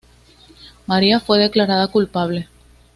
María fue declarada culpable.